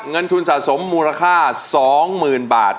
เงินทุนสะสมมูลค่าสองหมื่นบาท